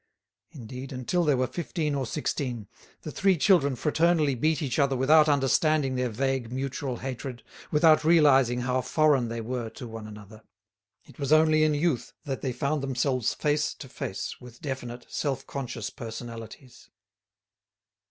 Indeed, until they were fifteen or sixteen, the three children fraternally beat each other without understanding their vague, mutual hatred, without realising how foreign they were to one another. It was only in youth that they found themselves face to face with definite, self conscious personalities.